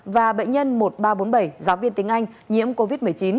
và bệnh nhân một nghìn ba trăm bốn mươi bảy giáo viên tiếng anh nhiễm covid một mươi chín